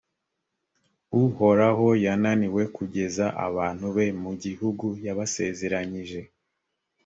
uhoraho yananiwe kugeza abantu be mu gihugu yabasezeranyije,